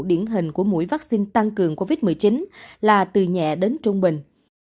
điển hình của mũi vắc xin tăng cường covid một mươi chín là từ nhẹ đến trung bình